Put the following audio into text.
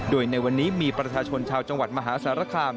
โดยในวันนี้มีประชาชนชาวจังหวัดมหาสารคาม